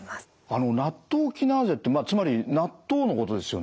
あのナットウキナーゼってまあつまり納豆のことですよね？